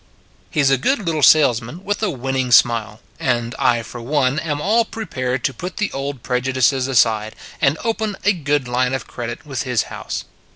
He s a good little salesman with a win ning smile; and I for one am all prepared to put the old prejudices aside and open a good line of credit with his House.